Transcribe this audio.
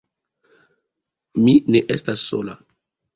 Mi ne estas sola.